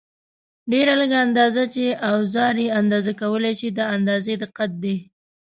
ډېره لږه اندازه چې اوزار یې اندازه کولای شي د اندازې دقت دی.